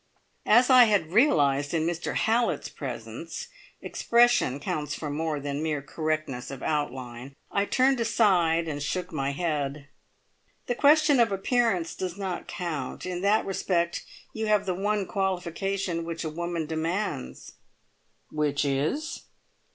As I had realised in Mr Hallett's presence, expression counts for more than mere correctness of outline. I turned aside and shook my head. "The question of appearance does not count. In that respect you have the one qualification which a woman demands." "Which is?"